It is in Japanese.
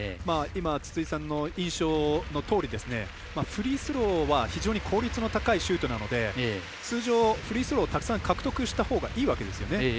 筒井さんの印象のとおりフリースローは非常に効率の高いシュートなので通常フリースローをたくさん獲得したほうがいいわけですよね。